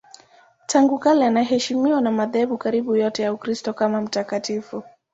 Tangu kale anaheshimiwa na madhehebu karibu yote ya Ukristo kama mtakatifu.